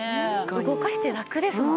動かしてラクですもん。